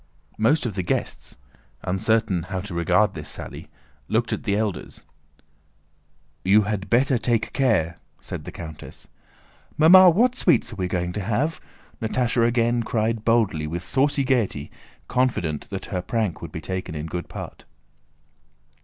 Most of the guests, uncertain how to regard this sally, looked at the elders. "You had better take care!" said the countess. "Mamma! What sweets are we going to have?" Natásha again cried boldly, with saucy gaiety, confident that her prank would be taken in good part.